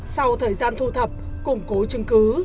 sau thời gian thu thập củng cố chứng cứ